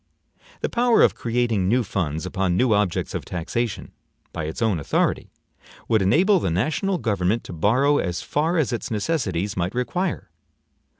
The power of creating new funds upon new objects of taxation, by its own authority, would enable the national government to borrow as far as its necessities might require.